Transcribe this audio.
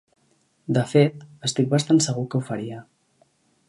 De fet, estic bastant segur que ho faria.